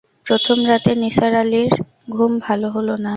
প্রথম রাতে নিসার আলির ঘুম ভাল হল না।